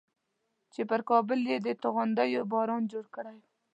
چې پر کابل یې د توغندیو باران جوړ کړی و.